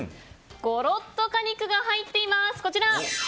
ゴロッと果肉が入っています。